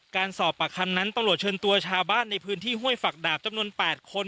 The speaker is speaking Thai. การสอบปากคำนั้นตำรวจเชิญตัวชาวบ้านในพื้นที่ห้วยฝักดาบจำนวน๘คน